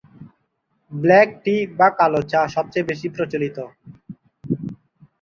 Black tea বা কালো চা সবচেয়ে বেশি প্রচলিত।